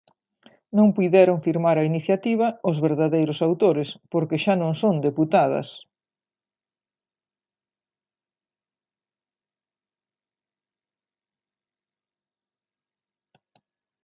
Non puideron firmar a iniciativa os verdadeiros autores porque xa non son deputadas.